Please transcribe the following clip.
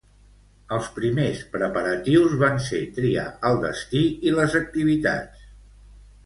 El primers preparatius van ser triar el destí i les activitats.